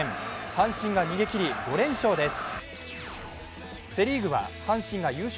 阪神が逃げきり、５連勝です。